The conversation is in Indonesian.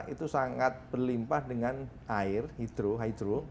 itu sangat berlimpah dengan air hidro hidro hidro